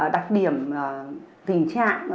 đặc điểm tình trạng